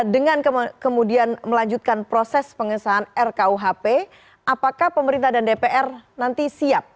dengan kemudian melanjutkan proses pengesahan rkuhp apakah pemerintah dan dpr nanti siap